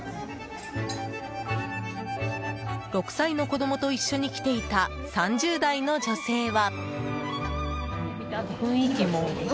６歳の子どもと一緒に来ていた３０代の女性は。